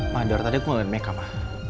ma diartinya aku ngeliat meka ma